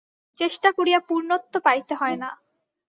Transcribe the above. চেষ্টা করিয়া পূর্ণত্ব পাইতে হয় না।